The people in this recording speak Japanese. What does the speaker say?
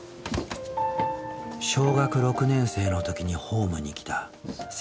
小学６年生の時にホームに来たさくらさん。